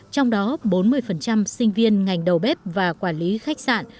trong đó bốn mươi sinh viên ngành đầu bếp và quản lý khách sạn